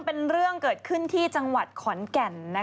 เป็นเรื่องเกิดขึ้นที่จังหวัดขอนแก่น